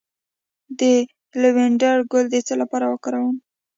د لیوانډر ګل د څه لپاره وکاروم؟